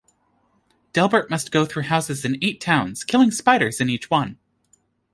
Delbert must go through houses in eight towns, killing spiders in each one.